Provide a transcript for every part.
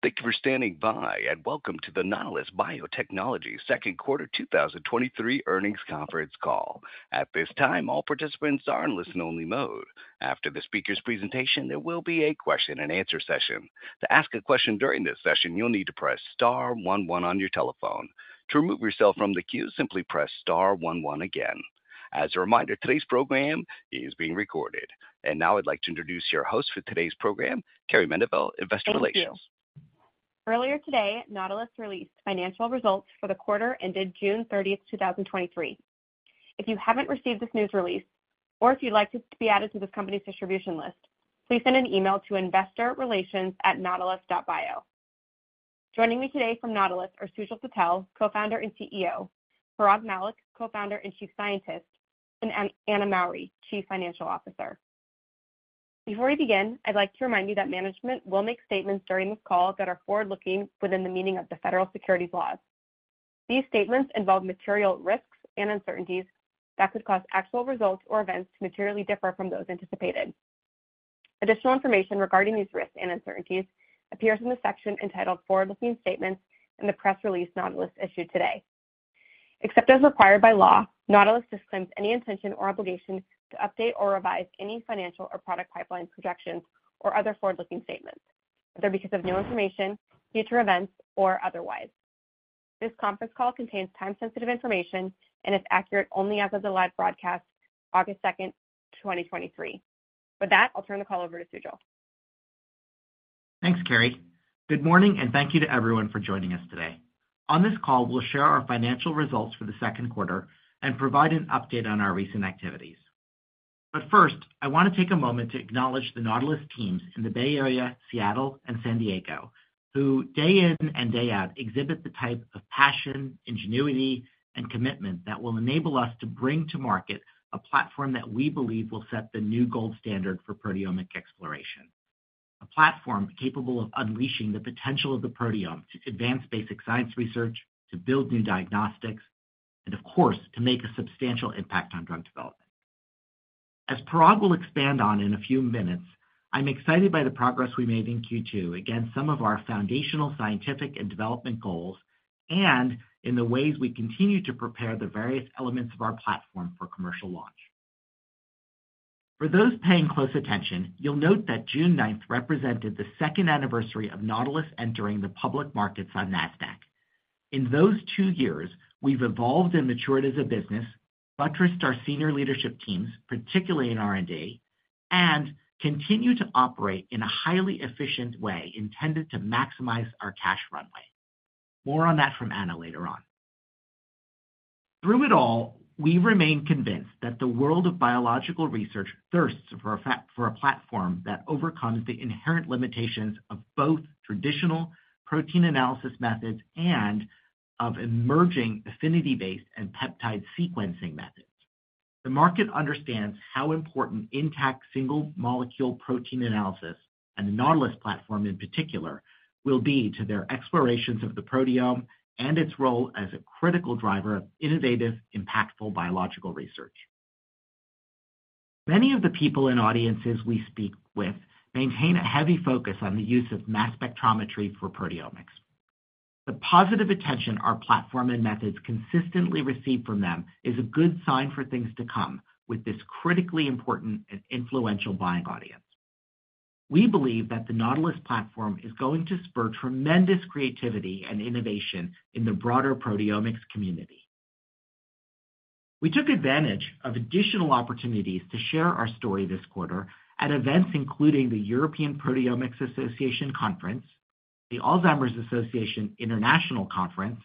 Thank you for standing by, welcome to the Nautilus Biotechnology second quarter 2023 earnings conference call. At this time, all participants are in listen-only mode. After the speaker's presentation, there will be a question and answer session. To ask a question during this session, you'll need to press star one one on your telephone. To remove yourself from the queue, simply press star one one again. As a reminder, today's program is being recorded. Now I'd like to introduce your host for today's program, Carrie Mendivil, Investor Relations. Thank you. Earlier today, Nautilus released financial results for the quarter ended June 30th, 2023. If you haven't received this news release, or if you'd like to be added to this company's distribution list, please send an email to investorrelations@nautilus.bio. Joining me today from Nautilus are Sujal Patel, Co-founder and CEO, Parag Mallick, Co-founder and Chief Scientist, and Anna Mowry, Chief Financial Officer. Before we begin, I'd like to remind you that management will make statements during this call that are forward-looking within the meaning of the federal securities laws. These statements involve material risks and uncertainties that could cause actual results or events to materially differ from those anticipated. Additional information regarding these risks and uncertainties appears in the section entitled Forward-Looking Statements in the press release Nautilus issued today. Except as required by law, Nautilus disclaims any intention or obligation to update or revise any financial or product pipeline projections or other forward-looking statements, either because of new information, future events, or otherwise. This conference call contains time-sensitive information and is accurate only as of the live broadcast, August 2, 2023. With that, I'll turn the call over to Sujal. Thanks, Carrie. Good morning, thank you to everyone for joining us today. On this call, we'll share our financial results for the second quarter and provide an update on our recent activities. First, I want to take a moment to acknowledge the Nautilus teams in the Bay Area, Seattle, and San Diego, who day in and day out exhibit the type of passion, ingenuity, and commitment that will enable us to bring to market a platform that we believe will set the new gold standard for proteomic exploration. A platform capable of unleashing the potential of the proteome to advance basic science research, to build new diagnostics, and of course, to make a substantial impact on drug development. As Parag will expand on in a few minutes, I'm excited by the progress we made in Q2 against some of our foundational scientific and development goals, and in the ways we continue to prepare the various elements of our platform for commercial launch. For those paying close attention, you'll note that June 9th represented the second anniversary of Nautilus entering the public markets on Nasdaq. In those two years, we've evolved and matured as a business, buttressed our senior leadership teams, particularly in R&D, and continue to operate in a highly efficient way intended to maximize our cash runway. More on that from Anna later on. Through it all, we remain convinced that the world of biological research thirsts for a platform that overcomes the inherent limitations of both traditional protein analysis methods and of emerging affinity-based and peptide sequencing methods. The market understands how important intact single molecule protein analysis, and the Nautilus platform in particular, will be to their explorations of the proteome and its role as a critical driver of innovative, impactful biological research. Many of the people and audiences we speak with maintain a heavy focus on the use of mass spectrometry for proteomics. The positive attention our platform and methods consistently receive from them is a good sign for things to come with this critically important and influential buying audience. We believe that the Nautilus platform is going to spur tremendous creativity and innovation in the broader proteomics community. We took advantage of additional opportunities to share our story this quarter at events including the European Proteomics Association Conference, the Alzheimer's Association International Conference,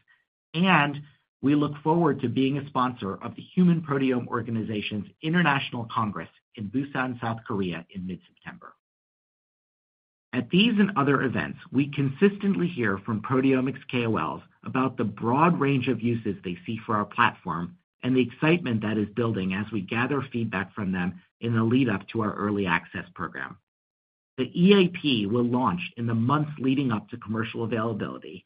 and we look forward to being a sponsor of the Human Proteome Organization's International Congress in Busan, South Korea, in mid-September. At these and other events, we consistently hear from proteomics KOLs about the broad range of uses they see for our platform and the excitement that is building as we gather feedback from them in the lead up to our early access program. While never intended to be a significant revenue driver, the EAP will launch in the months leading up to commercial availability,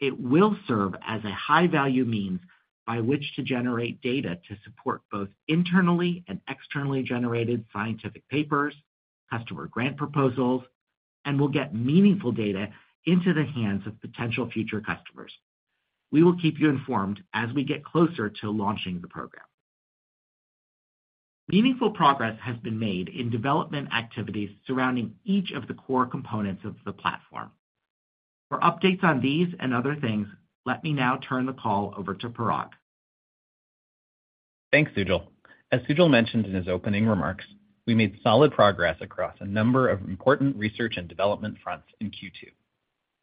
it will serve as a high-value means by which to generate data to support both internally and externally generated scientific papers, customer grant proposals, and will get meaningful data into the hands of potential future customers. We will keep you informed as we get closer to launching the program. Meaningful progress has been made in development activities surrounding each of the core components of the platform. For updates on these and other things, let me now turn the call over to Parag. Thanks, Sujal. As Sujal mentioned in his opening remarks, we made solid progress across a number of important research and development fronts in Q2.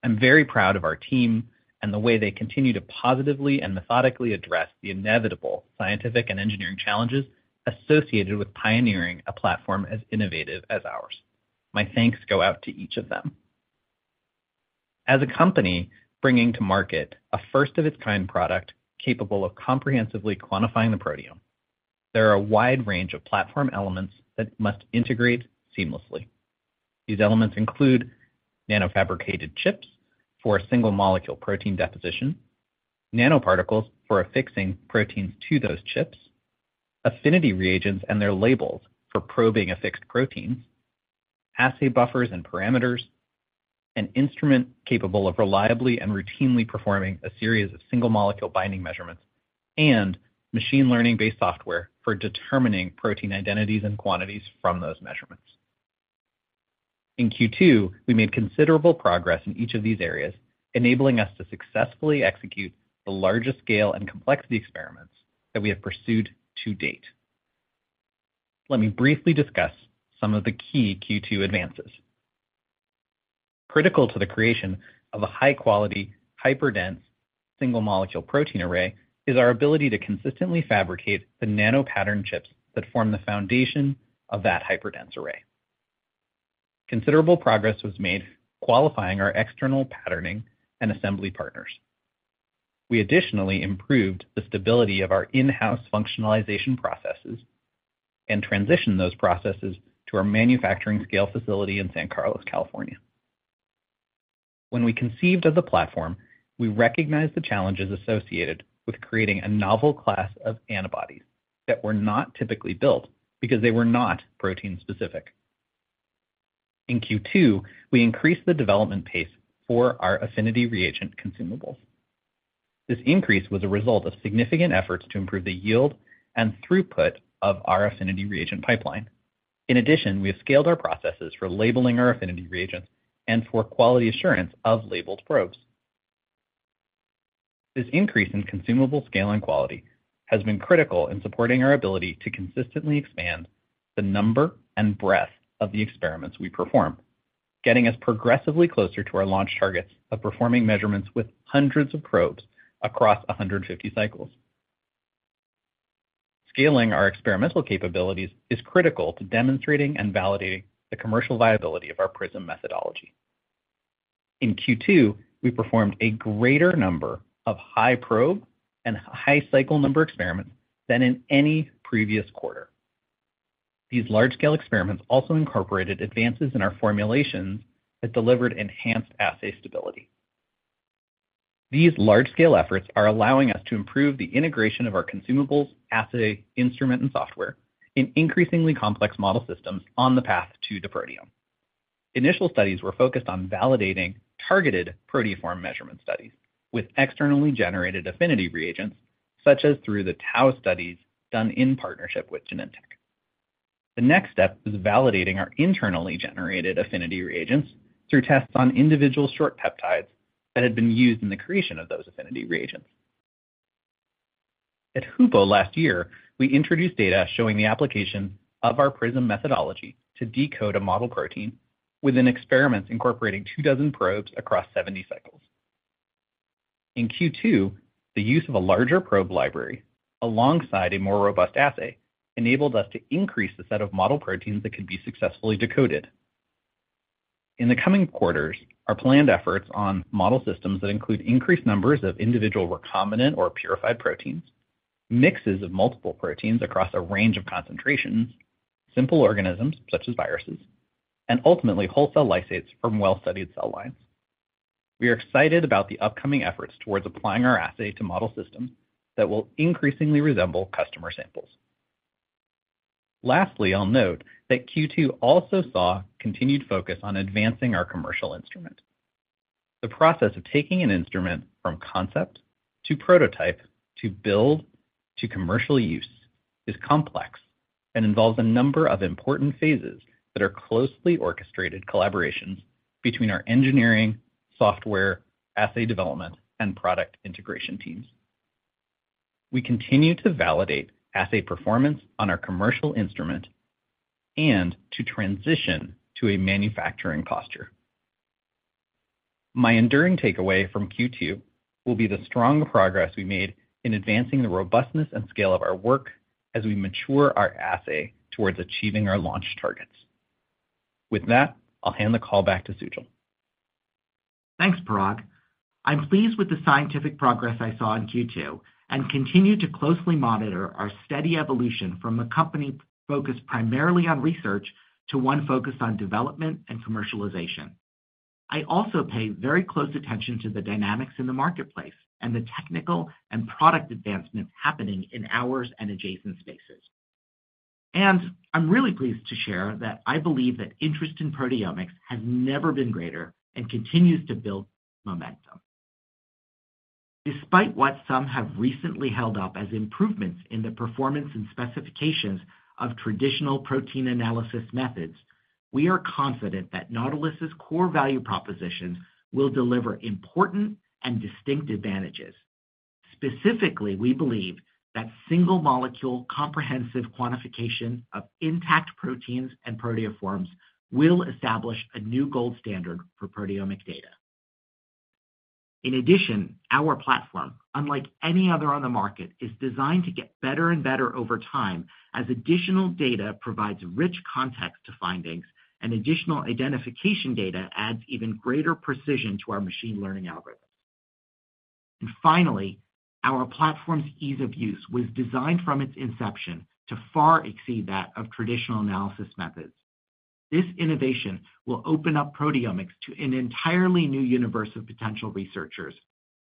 I'm very proud of our team and the way they continue to positively and methodically address the inevitable scientific and engineering challenges associated with pioneering a platform as innovative as ours. My thanks go out to each of them. As a company bringing to market a first-of-its-kind product capable of comprehensively quantifying the proteome, there are a wide range of platform elements that must integrate seamlessly. These elements include nanofabricated chips for single-molecule protein deposition, nanoparticles for affixing proteins to those chips, affinity reagents and their labels for probing affixed proteins, assay buffers and parameters, an instrument capable of reliably and routinely performing a series of single-molecule binding measurements, and machine learning-based software for determining protein identities and quantities from those measurements. In Q2, we made considerable progress in each of these areas, enabling us to successfully execute the largest scale and complexity experiments that we have pursued to date. Let me briefly discuss some of the key Q2 advances. Critical to the creation of a high-quality, hyperdense single-molecule protein array is our ability to consistently fabricate the nanopatterned chips that form the foundation of that hyperdense array. Considerable progress was made qualifying our external patterning and assembly partners. We additionally improved the stability of our in-house functionalization processes and transitioned those processes to our manufacturing scale facility in San Carlos, California. When we conceived of the platform, we recognized the challenges associated with creating a novel class of antibodies that were not typically built because they were not protein-specific. In Q2, we increased the development pace for our affinity reagent consumables. This increase was a result of significant efforts to improve the yield and throughput of our affinity reagent pipeline. In addition, we have scaled our processes for labeling our affinity reagents and for quality assurance of labeled probes. This increase in consumable scale and quality has been critical in supporting our ability to consistently expand the number and breadth of the experiments we perform, getting us progressively closer to our launch targets of performing measurements with hundreds of probes across 150 cycles. Scaling our experimental capabilities is critical to demonstrating and validating the commercial viability of our Prism methodology. In Q2, we performed a greater number of high probe and high cycle number experiments than in any previous quarter. These large-scale experiments also incorporated advances in our formulations that delivered enhanced assay stability. These large-scale efforts are allowing us to improve the integration of our consumables, assay, instrument, and software in increasingly complex model systems on the path to the proteome. Initial studies were focused on validating targeted proteoform measurement studies with externally generated affinity reagents, such as through the tau studies done in partnership with Genentech. The next step is validating our internally generated affinity reagents through tests on individual short peptides that had been used in the creation of those affinity reagents. At HUPO last year, we introduced data showing the application of our Prism methodology to decode a model protein within experiments incorporating two dozen probes across 70 cycles. In Q2, the use of a larger probe library alongside a more robust assay enabled us to increase the set of model proteins that could be successfully decoded. In the coming quarters, our planned efforts on model systems that include increased numbers of individual recombinant or purified proteins, mixes of multiple proteins across a range of concentrations, simple organisms such as viruses, and ultimately whole cell lysates from well-studied cell lines. We are excited about the upcoming efforts towards applying our assay to model systems that will increasingly resemble customer samples. Lastly, I'll note that Q2 also saw continued focus on advancing our commercial instrument. The process of taking an instrument from concept to prototype, to build, to commercial use is complex and involves a number of important phases that are closely orchestrated collaborations between our engineering, software, assay development, and product integration teams. We continue to validate assay performance on our commercial instrument and to transition to a manufacturing posture. My enduring takeaway from Q2 will be the strong progress we made in advancing the robustness and scale of our work as we mature our assay towards achieving our launch targets. With that, I'll hand the call back to Sujal. Thanks, Parag. I'm pleased with the scientific progress I saw in Q2 and continue to closely monitor our steady evolution from a company focused primarily on research to one focused on development and commercialization. I also pay very close attention to the dynamics in the marketplace and the technical and product advancements happening in ours and adjacent spaces. I'm really pleased to share that I believe that interest in proteomics has never been greater and continues to build momentum. Despite what some have recently held up as improvements in the performance and specifications of traditional protein analysis methods, we are confident that Nautilus's core value proposition will deliver important and distinct advantages. Specifically, we believe that single-molecule comprehensive quantification of intact proteins and proteoforms will establish a new gold standard for proteomic data. In addition, our platform, unlike any other on the market, is designed to get better and better over time as additional data provides rich context to findings and additional identification data adds even greater precision to our machine learning algorithms. Finally, our platform's ease of use was designed from its inception to far exceed that of traditional analysis methods. This innovation will open up proteomics to an entirely new universe of potential researchers.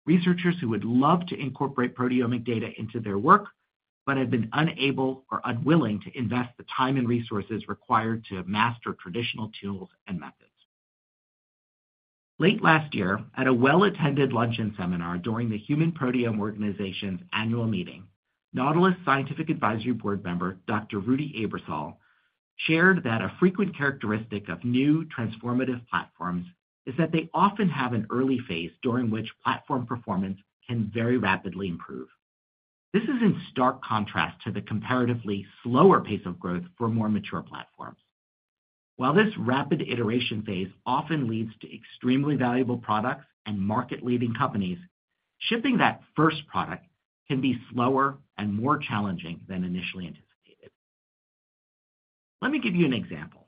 Researchers who would love to incorporate proteomic data into their work, but have been unable or unwilling to invest the time and resources required to master traditional tools and methods. Late last year, at a well-attended luncheon seminar during the Human Proteome Organization's annual meeting, Nautilus Scientific Advisory Board member, Dr. Ruedi Aebersold, shared that a frequent characteristic of new transformative platforms is that they often have an early phase during which platform performance can very rapidly improve. This is in stark contrast to the comparatively slower pace of growth for more mature platforms. While this rapid iteration phase often leads to extremely valuable products and market-leading companies, shipping that first product can be slower and more challenging than initially anticipated. Let me give you an example.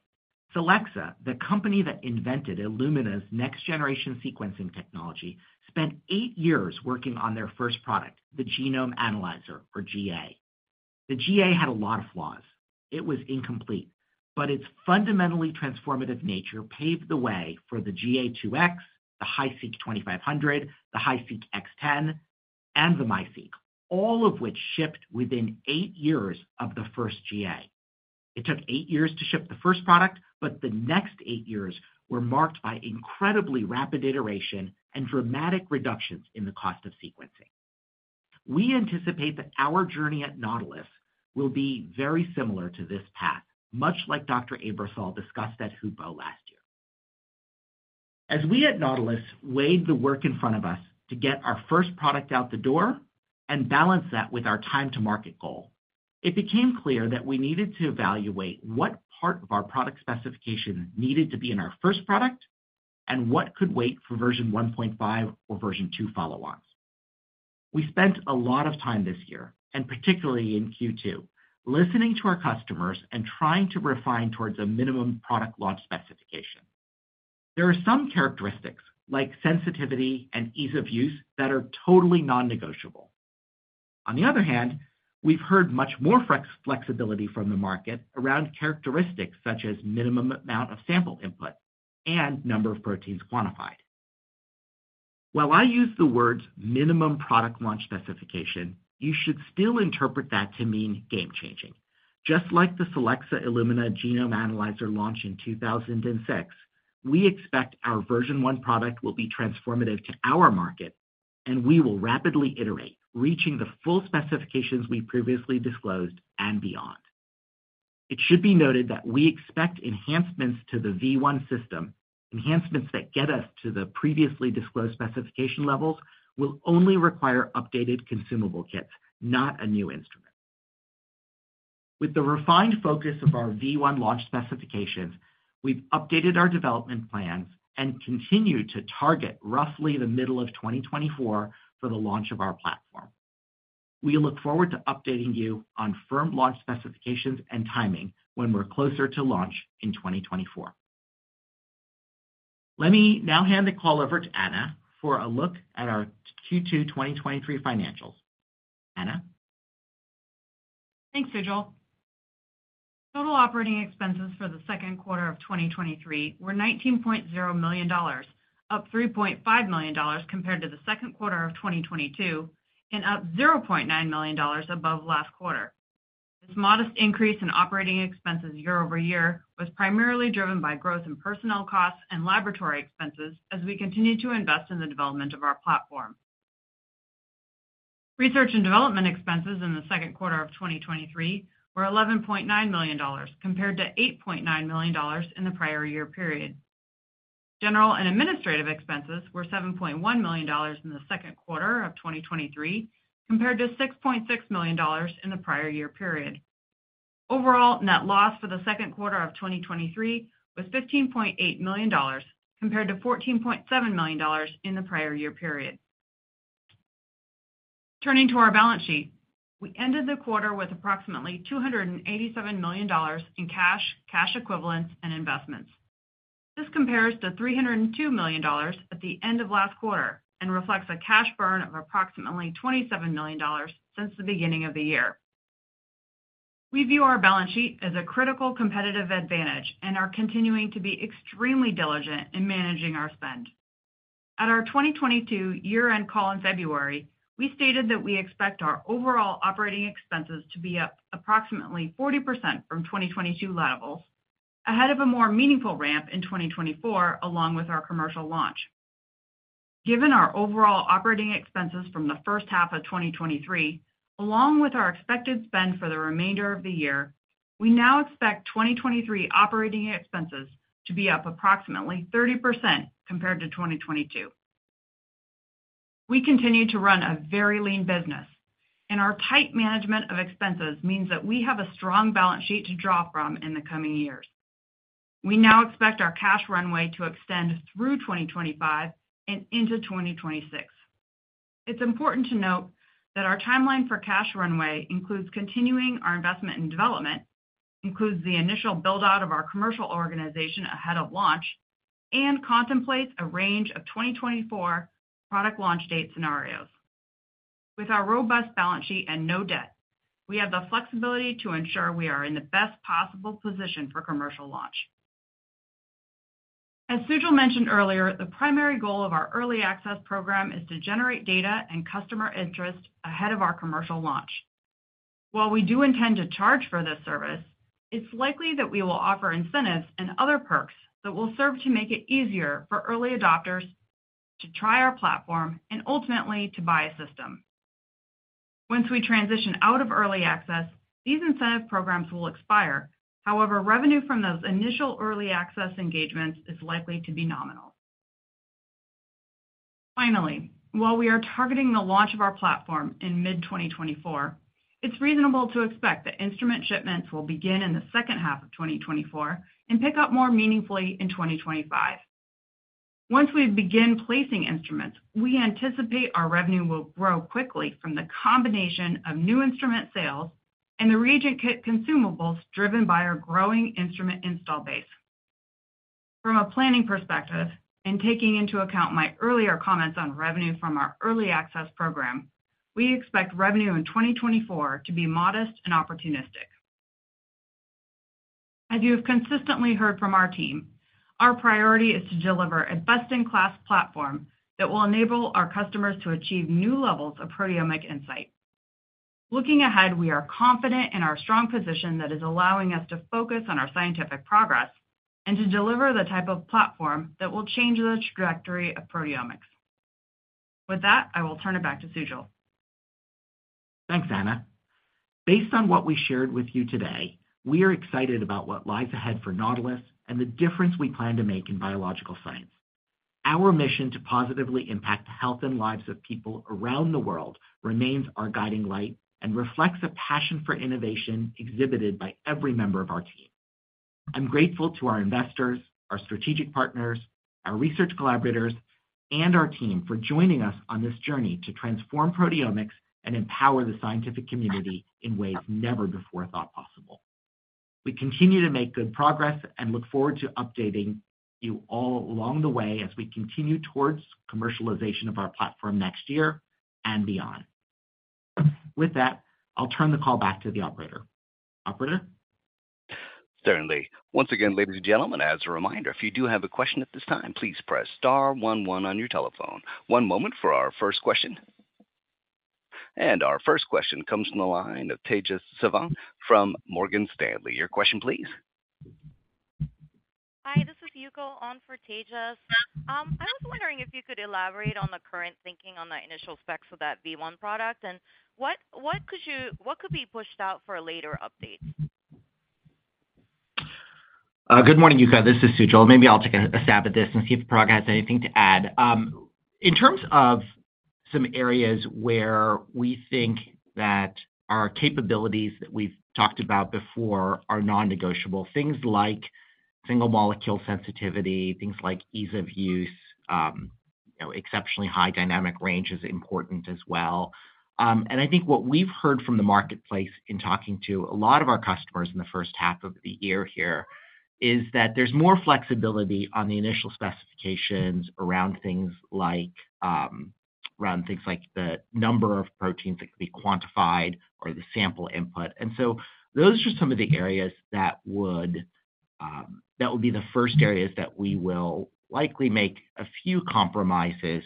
Solexa, the company that invented Illumina's Next-Generation Sequencing technology, spent eight years working on their first product, the Genome Analyzer, or GA. The GA had a lot of flaws. It was incomplete, but its fundamentally transformative nature paved the way for the GAIIx, the HiSeq 2500, the HiSeq X Ten, and the MiSeq, all of which shipped within eight years of the first GA. It took eight years to ship the first product, the next eight years were marked by incredibly rapid iteration and dramatic reductions in the cost of sequencing. We anticipate that our journey at Nautilus will be very similar to this path, much like Dr. Ruedi Aebersold discussed at HUPO last year. As we at Nautilus weighed the work in front of us to get our first product out the door and balance that with our time to market goal, it became clear that we needed to evaluate what part of our product specification needed to be in our first product and what could wait for version 1.5 or version 2 follow-ons. We spent a lot of time this year, and particularly in Q2, listening to our customers and trying to refine towards a minimum product launch specification. There are some characteristics, like sensitivity and ease of use, that are totally non-negotiable. On the other hand, we've heard much more flexibility from the market around characteristics such as minimum amount of sample input and number of proteins quantified. While I use the words minimum product launch specification, you should still interpret that to mean game changing. Just like the Solexa Illumina Genome Analyzer launch in 2006, we expect our version one product will be transformative to our market, and we will rapidly iterate, reaching the full specifications we previously disclosed and beyond. It should be noted that we expect enhancements to the V1 system, enhancements that get us to the previously disclosed specification levels, will only require updated consumable kits, not a new instrument. With the refined focus of our V1 launch specifications, we've updated our development plans and continue to target roughly the middle of 2024 for the launch of our platform. We look forward to updating you on firm launch specifications and timing when we're closer to launch in 2024. Let me now hand the call over to Anna for a look at our Q2, 2023 financials. Anna? Thanks, Sujal Patel. Total operating expenses for the second quarter of 2023 were $19.0 million, up $3.5 million compared to the second quarter of 2022, and up $0.9 million above last quarter. This modest increase in operating expenses year-over-year was primarily driven by growth in personnel costs and laboratory expenses as we continue to invest in the development of our platform. Research and development expenses in the second quarter of 2023 were $11.9 million, compared to $8.9 million in the prior year period. General and administrative expenses were $7.1 million in the second quarter of 2023, compared to $6.6 million in the prior year period. Overall, net loss for the second quarter of 2023 was $15.8 million, compared to $14.7 million in the prior year period. Turning to our balance sheet, we ended the quarter with approximately $287 million in cash, cash equivalents, and investments. This compares to $302 million at the end of last quarter and reflects a cash burn of approximately $27 million since the beginning of the year. We view our balance sheet as a critical competitive advantage and are continuing to be extremely diligent in managing our spend. At our 2022 year-end call in February, we stated that we expect our overall operating expenses to be up approximately 40% from 2022 levels, ahead of a more meaningful ramp in 2024, along with our commercial launch. Given our overall operating expenses from the first half of 2023, along with our expected spend for the remainder of the year, we now expect 2023 operating expenses to be up approximately 30% compared to 2022. We continue to run a very lean business, and our tight management of expenses means that we have a strong balance sheet to draw from in the coming years. We now expect our cash runway to extend through 2025 and into 2026. It's important to note that our timeline for cash runway includes continuing our investment in development, includes the initial build-out of our commercial organization ahead of launch, and contemplates a range of 2024 product launch date scenarios. With our robust balance sheet and no debt, we have the flexibility to ensure we are in the best possible position for commercial launch. As Sujal mentioned earlier, the primary goal of our early access program is to generate data and customer interest ahead of our commercial launch. While we do intend to charge for this service, it's likely that we will offer incentives and other perks that will serve to make it easier for early adopters to try our platform and ultimately to buy a system. Once we transition out of early access, these incentive programs will expire. However, revenue from those initial early access engagements is likely to be nominal. Finally, while we are targeting the launch of our platform in mid-2024, it's reasonable to expect that instrument shipments will begin in the second half of 2024 and pick up more meaningfully in 2025. Once we begin placing instruments, we anticipate our revenue will grow quickly from the combination of new instrument sales and the reagent kit consumables driven by our growing instrument install base. Taking into account my earlier comments on revenue from our early access program, we expect revenue in 2024 to be modest and opportunistic. As you have consistently heard from our team, our priority is to deliver a best-in-class platform that will enable our customers to achieve new levels of proteomic insight. Looking ahead, we are confident in our strong position that is allowing us to focus on our scientific progress and to deliver the type of platform that will change the trajectory of proteomics. With that, I will turn it back to Sujal. Thanks, Anna. Based on what we shared with you today, we are excited about what lies ahead for Nautilus and the difference we plan to make in biological science. Our mission to positively impact the health and lives of people around the world remains our guiding light and reflects a passion for innovation exhibited by every member of our team. I'm grateful to our investors, our strategic partners, our research collaborators, and our team for joining us on this journey to transform proteomics and empower the scientific community in ways never before thought possible. We continue to make good progress and look forward to updating you all along the way as we continue towards commercialization of our platform next year and beyond. With that, I'll turn the call back to the operator. Operator? Certainly. Once again, ladies and gentlemen, as a reminder, if you do have a question at this time, please press star 1 1 on your telephone. One moment for our first question. Our first question comes from the line of Tejas Savant from Morgan Stanley. Your question, please. Hi, this is Yuko on for Tejas. I was wondering if you could elaborate on the current thinking on the initial specs for that V1 product, and what could be pushed out for a later update? Good morning, Yuko, this is Sujal. Maybe I'll take a stab at this and see if Parag has anything to add. In terms of some areas where we think that our capabilities that we've talked about before are non-negotiable, things like single-molecule sensitivity, things like ease of use, you know, exceptionally high dynamic range is important as well. I think what we've heard from the marketplace in talking to a lot of our customers in the first half of the year here, is that there's more flexibility on the initial specifications around things like, around things like the number of proteins that can be quantified or the sample input. Those are some of the areas that would, that would be the first areas that we will likely make a few compromises.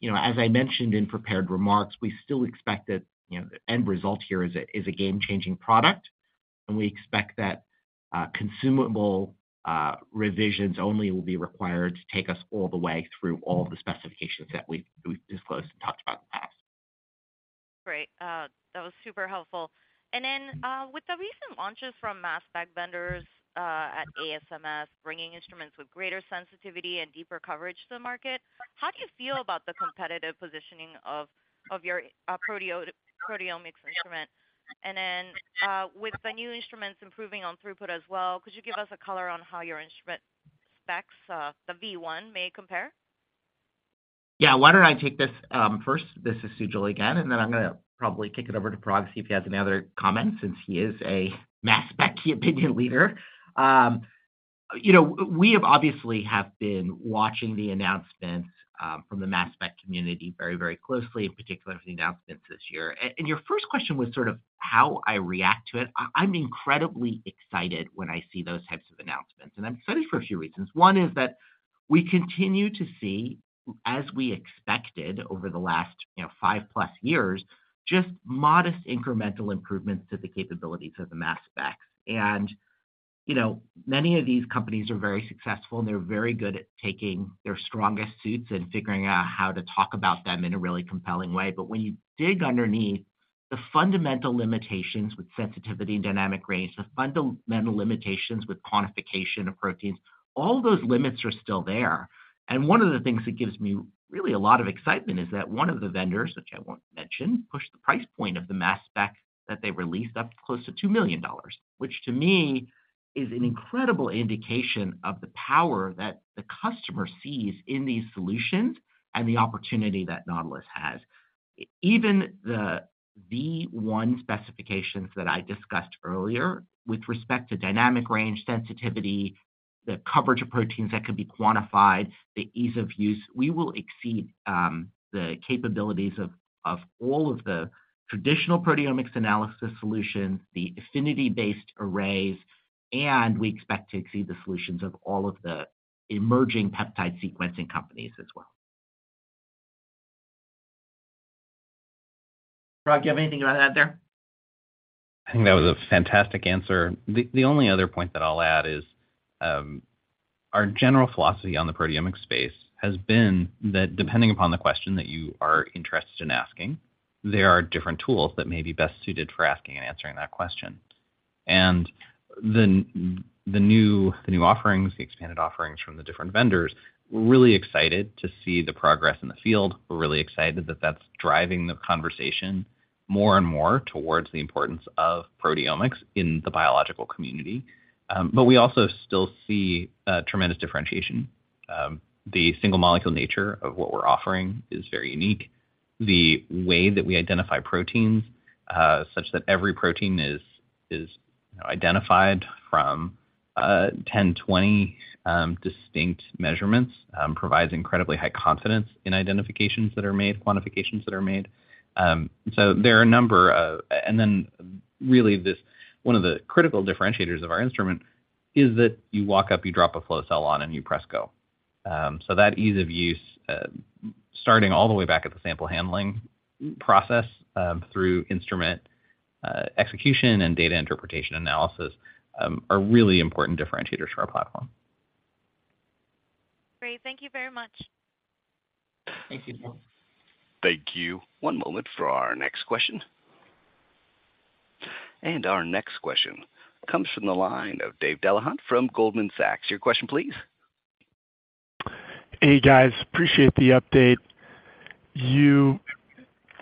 You know, as I mentioned in prepared remarks, we still expect that, you know, the end result here is a, is a game-changing product, and we expect that consumable revisions only will be required to take us all the way through all the specifications that we've, we've disclosed and talked about in the past. Great. That was super helpful. With the recent launches from mass spec vendors, at ASMS, bringing instruments with greater sensitivity and deeper coverage to the market, how do you feel about the competitive positioning of your proteomics instrument? With the new instruments improving on throughput as well, could you give us a color on how your instrument specs, the V1 may compare? Yeah, why don't I take this first? This is Sujal again, and then I'm gonna probably kick it over to Parag, see if he has any other comments, since he is a mass spec opinion leader. You know, we have obviously have been watching the announcements from the mass spec community very, very closely, in particular, the announcements this year. Your first question was sort of how I react to it. I, I'm incredibly excited when I see those types of announcements, and I'm excited for a few reasons. One is that we continue to see, as we expected over the last, you know, five+ years, just modest incremental improvements to the capabilities of the mass specs. You know, many of these companies are very successful, and they're very good at taking their strongest suits and figuring out how to talk about them in a really compelling way. When you dig underneath the fundamental limitations with sensitivity and dynamic range, the fundamental limitations with quantification of proteins, all those limits are still there. One of the things that gives me really a lot of excitement is that one of the vendors, which I won't mention, pushed the price point of the mass spec that they released up to close to $2 million, which to me, is an incredible indication of the power that the customer sees in these solutions and the opportunity that Nautilus has. the one specifications that I discussed earlier with respect to dynamic range sensitivity, the coverage of proteins that could be quantified, the ease of use, we will exceed the capabilities of all of the traditional proteomics analysis solutions, the affinity-based arrays, and we expect to see the solutions of all of the emerging peptide sequencing companies as well. Rod, do you have anything you want to add there? I think that was a fantastic answer. The only other point that I'll add is, our general philosophy on the proteomics space has been that depending upon the question that you are interested in asking, there are different tools that may be best suited for asking and answering that question. The new, the new offerings, the expanded offerings from the different vendors, we're really excited to see the progress in the field. We're really excited that that's driving the conversation more and more towards the importance of proteomics in the biological community. We also still see tremendous differentiation. The single molecule nature of what we're offering is very unique. The way that we identify proteins, such that every protein is, is identified from, 10, 20, distinct measurements, provides incredibly high confidence in identifications that are made, quantifications that are made. Then really, this, one of the critical differentiators of our instrument is that you walk up, you drop a flow cell on, and you press go. That ease of use, starting all the way back at the sample handling process, through instrument, execution and data interpretation analysis, are really important differentiators for our platform. Great. Thank you very much. Thank you. Thank you. One moment for our next question. Our next question comes from the line of Dave Delahunt from Goldman Sachs. Your question, please. Hey, guys, appreciate the update. You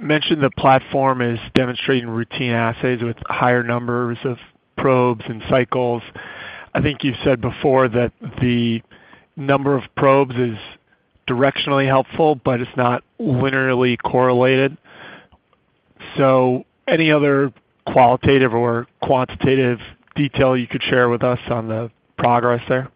mentioned the platform is demonstrating routine assays with higher numbers of probes and cycles. I think you've said before that the number of probes is directionally helpful, but it's not linearly correlated. Any other qualitative or quantitative detail you could share with us on the progress there?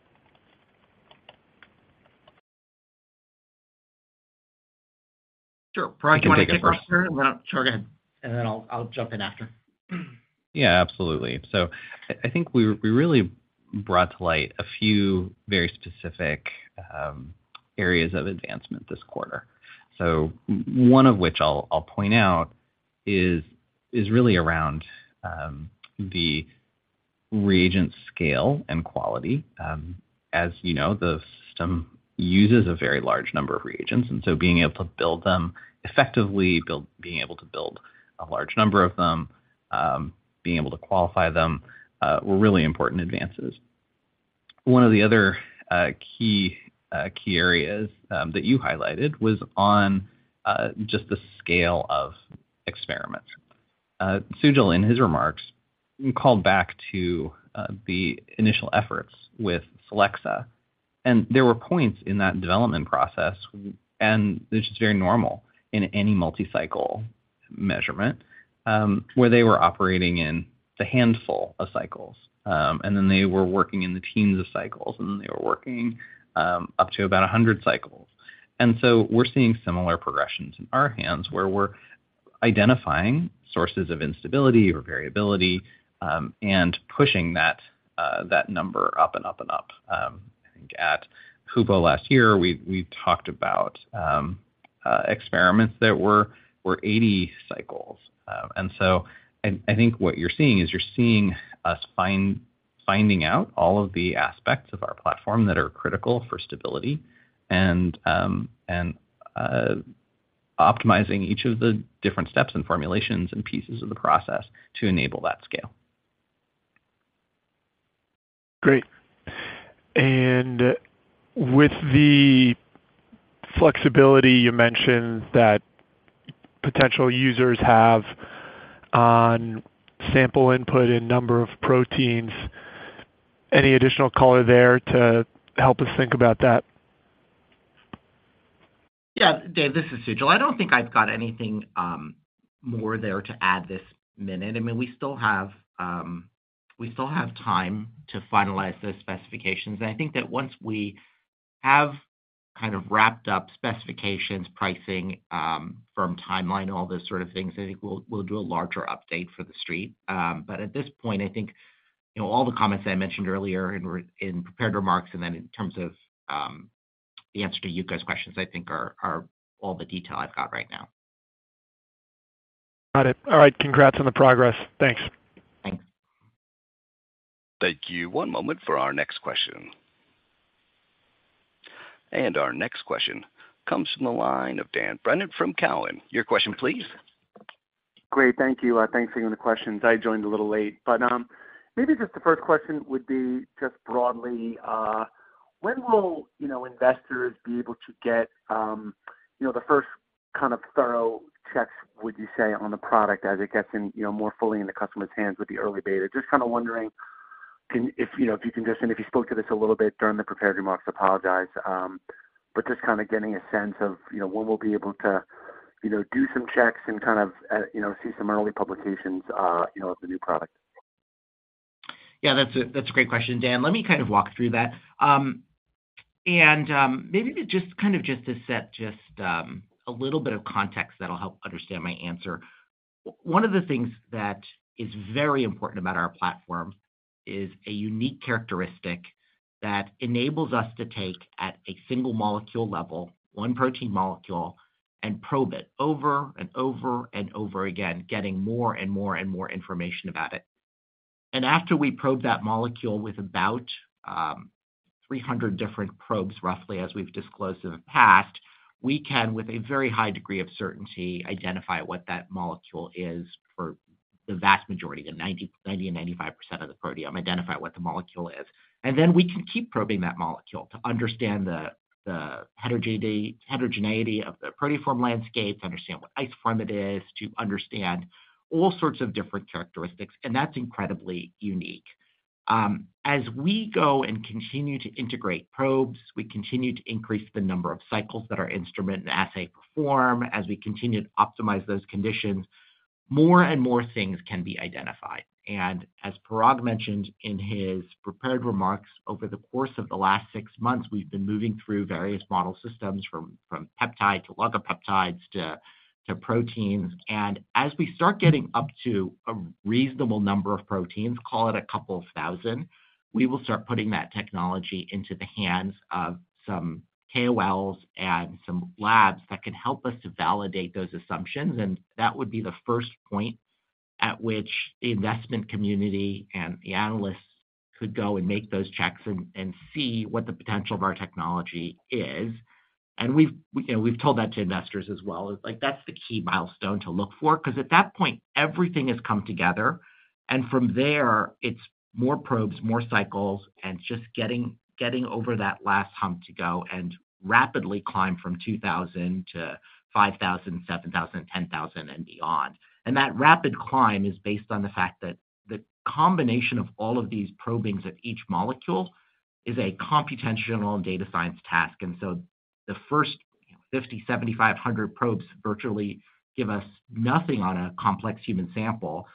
Sure. Parag, do you want to take first? Sure, go ahead, and then I'll, I'll jump in after. Yeah, absolutely. I think we really brought to light a few very specific areas of advancement this quarter. One of which I'll point out is really around the reagent scale and quality. As you know, the system uses a very large number of reagents, and so being able to build them effectively, being able to build a large number of them, being able to qualify them, were really important advances. One of the other key areas that you highlighted was on just the scale of experiments. Sujal, in his remarks, called back to the initial efforts with Solexa. There were points in that development process, and this is very normal in any multi-cycle measurement, where they were operating in the handful of cycles, and then they were working in the teams of cycles, and they were working up to about 100 cycles. So we're seeing similar progressions in our hands, where we're identifying sources of instability or variability, and pushing that that number up and up and up. I think at HUPO last year, we talked about experiments that were 80 cycles. I, I think what you're seeing is you're seeing us finding out all of the aspects of our platform that are critical for stability and, and optimizing each of the different steps and formulations and pieces of the process to enable that scale. Great. With the flexibility you mentioned that potential users have on sample input and number of proteins, any additional color there to help us think about that? Yeah, Dave, this is Sujal. I don't think I've got anything more there to add this minute. I mean, we still have, we still have time to finalize those specifications. I think that once we have kind of wrapped up specifications, pricing, firm timeline, all those sort of things, I think we'll, we'll do a larger update for the street. At this point, I think, you know, all the comments I mentioned earlier in prepared remarks and then in terms of the answer to you guys' questions, I think are, are all the detail I've got right now. Got it. All right. Congrats on the progress. Thanks. Thanks. Thank you. One moment for our next question. Our next question comes from the line of Dan Brennan from Cowen. Your question, please. Great. Thank you. Thanks for taking the questions. I joined a little late, but maybe just the first question would be just broadly, when will, you know, investors be able to get, you know, the first kind of thorough checks, would you say, on the product as it gets in, you know, more fully in the customer's hands with the early beta? Just kind of wondering. Can, if, you know, if you can just, and if you spoke to this a little bit during the prepared remarks, apologize. Just kind of getting a sense of, you know, when we'll be able to, you know, do some checks and kind of, you know, see some early publications, you know, of the new product. Yeah, that's a, that's a great question, Dan. Let me kind of walk through that. Maybe to just kind of set a little bit of context that'll help understand my answer. One of the things that is very important about our platform is a unique characteristic that enables us to take at a single-molecule level, one protein molecule, and probe it over and over and over again, getting more and more and more information about it. After we probe that molecule with about 300 different probes, roughly, as we've disclosed in the past, we can, with a very high degree of certainty, identify what that molecule is for the vast majority, the 90, 90-95% of the proteome, identify what the molecule is. Then we can keep probing that molecule to understand the heterogeneity of the proteoform landscapes, understand what isoform it is, to understand all sorts of different characteristics, and that's incredibly unique. As we go and continue to integrate probes, we continue to increase the number of cycles that our instrument and assay perform. As we continue to optimize those conditions, more and more things can be identified. As Parag mentioned in his prepared remarks, over the course of the last six months, we've been moving through various model systems, from peptide to oligopeptides to proteins. As we start getting up to a reasonable number of proteins, call it a 2,000, we will start putting that technology into the hands of some KOLs and some labs that can help us to validate those assumptions, and that would be the first point at which the investment community and the analysts could go and make those checks and, and see what the potential of our technology is. We've, you know, we've told that to investors as well, like, that's the key milestone to look for, because at that point, everything has come together, and from there it's more probes, more cycles, and just getting, getting over that last hump to go and rapidly climb from 2,000 to 5,000, 7,000, 10,000 and beyond. That rapid climb is based on the fact that the combination of all of these probings at each molecule is a computational data science task. So the first 50, 7,500 probes virtually give us nothing on a complex human sample,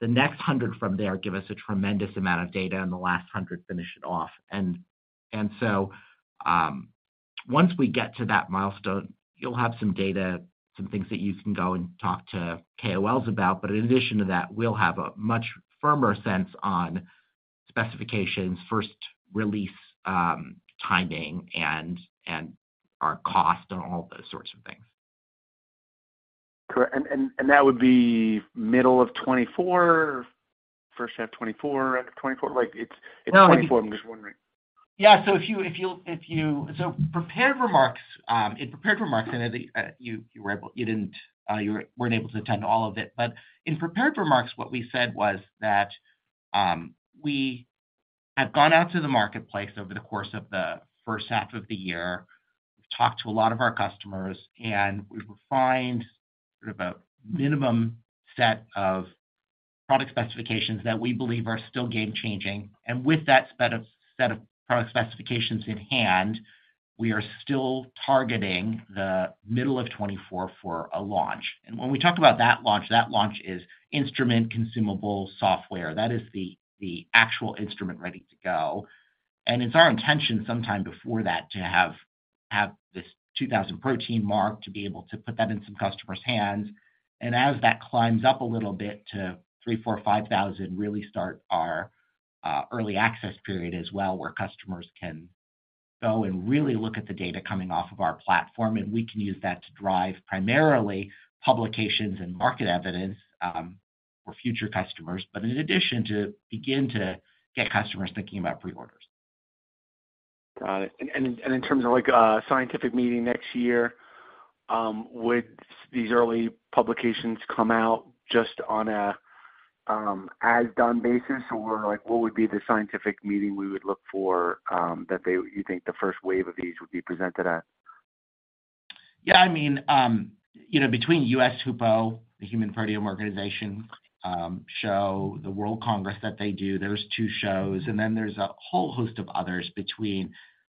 the next 100 from there give us a tremendous amount of data, and the last 100 finish it off. Once we get to that milestone, you'll have some data, some things that you can go and talk to KOLs about. In addition to that, we'll have a much firmer sense on specifications, first release, timing and our cost and all those sorts of things. Correct. And, and that would be middle of 2024, first half 2024, end of 2024? Like, it's 2024, I'm just wondering. If you... So prepared remarks, in prepared remarks, you didn't, you weren't able to attend to all of it. In prepared remarks, what we said was that, we have gone out to the marketplace over the course of the first half of the year, talked to a lot of our customers, and we've refined sort of a minimum set of product specifications that we believe are still game changing. With that set of, set of product specifications in hand, we are still targeting the middle of 2024 for a launch. When we talk about that launch, that launch is instrument, consumable, software. That is the, the actual instrument ready to go. It's our intention sometime before that, to have this 2,000 protein mark to be able to put that in some customers' hands. As that climbs up a little bit to 3,000, 4,000, 5,000, really start our early access period as well, where customers can go and really look at the data coming off of our platform, and we can use that to drive primarily publications and market evidence for future customers, but in addition, to begin to get customers thinking about pre-orders. Got it. In terms of, like, a scientific meeting next year, would these early publications come out just on a, as done basis? Or like, what would be the scientific meeting we would look for, that they, you think the first wave of these would be presented at? Yeah, I mean, you know, between US HUPO, the Human Proteome Organization, show, the World Congress that they do, there's 2 shows, and then there's a whole host of others between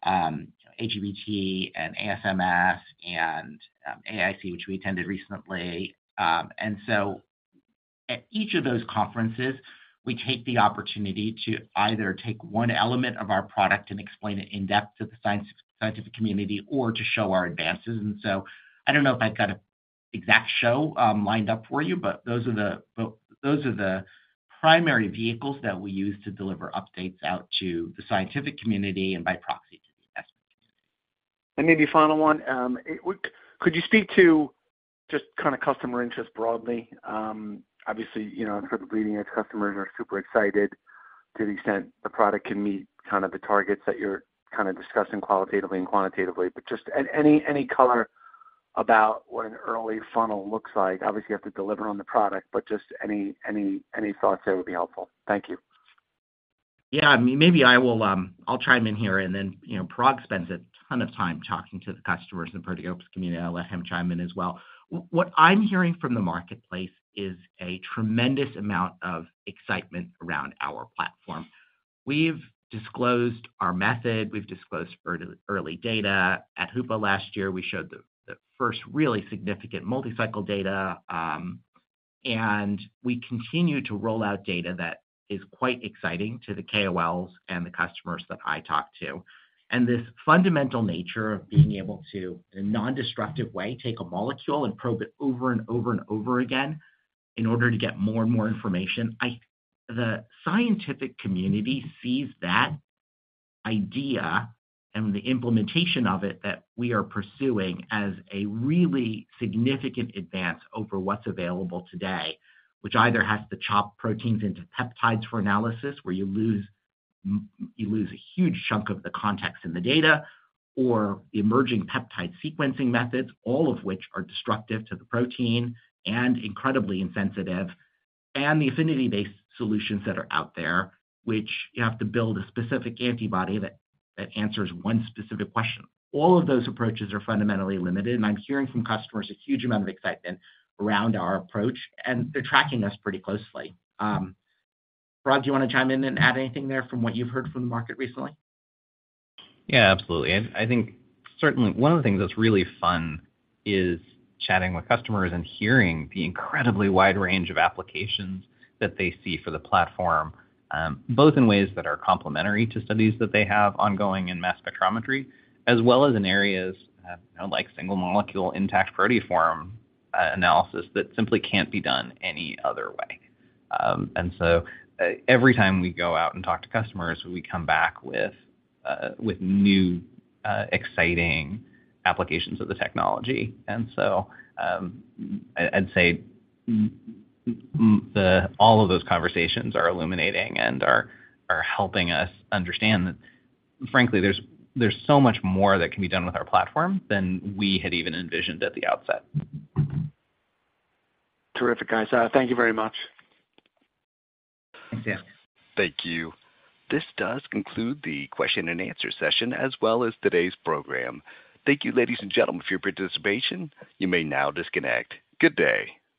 AGBT and ASMS and AAIC, which we attended recently. At each of those conferences, we take the opportunity to either take 1 element of our product and explain it in depth to the scientific community or to show our advances. I don't know if I've got a exact show lined up for you, but those are the, but those are the primary vehicles that we use to deliver updates out to the scientific community and by proxy, to the investment community. Maybe final one, could you speak to just kind of customer interest broadly? Obviously, you know, in terms of leading edge, customers are super excited to the extent the product can meet kind of the targets that you're kind of discussing qualitatively and quantitatively. Just any, any color about what an early funnel looks like. Obviously, you have to deliver on the product, but just any, any, any thoughts there would be helpful. Thank you. Yeah, I mean, maybe I will, I'll chime in here and then, you know, Parag spends a ton of time talking to the customers in the proteomics community. I'll let him chime in as well. What I'm hearing from the marketplace is a tremendous amount of excitement around our platform. We've disclosed our method, we've disclosed early, early data. At HUPO last year, we showed the, the first really significant multi-cycle data, and we continue to roll out data that is quite exciting to the KOLs and the customers that I talk to. This fundamental nature of being able to, in a non-destructive way, take a molecule and probe it over and over and over again in order to get more and more information, the scientific community sees that idea and the implementation of it that we are pursuing, as a really significant advance over what's available today, which either has to chop proteins into peptides for analysis, where you lose a huge chunk of the context in the data, or the emerging peptide sequencing methods, all of which are destructive to the protein and incredibly insensitive, and the affinity-based solutions that are out there, which you have to build a specific antibody that, that answers one specific question. All of those approaches are fundamentally limited. I'm hearing from customers a huge amount of excitement around our approach, and they're tracking us pretty closely. Rob, do you want to chime in and add anything there from what you've heard from the market recently? Yeah, absolutely. I, I think certainly one of the things that's really fun is chatting with customers and hearing the incredibly wide range of applications that they see for the platform, both in ways that are complementary to studies that they have ongoing in mass spectrometry, as well as in areas, you know, like single-molecule, intact proteoform, analysis that simply can't be done any other way. Every time we go out and talk to customers, we come back with new, exciting applications of the technology. I'd, I'd say all of those conversations are illuminating and are, are helping us understand that, frankly, there's, there's so much more that can be done with our platform than we had even envisioned at the outset. Terrific, guys. Thank you very much. Thanks, yeah. Thank you. This does conclude the question and answer session, as well as today's program. Thank you, ladies and gentlemen, for your participation. You may now disconnect. Good day.